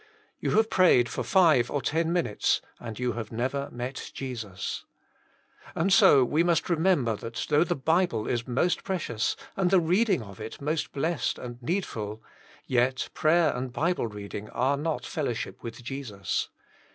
You have prayed for five or ten minutes, and you have never met Jesus. And so we must remember that though the Bible is most precious, and the read ing of it most blessed and needful ; yet prayer and Bible reading are not fellow ship with Jesus.